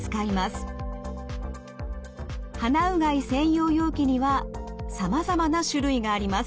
鼻うがい専用容器にはさまざまな種類があります。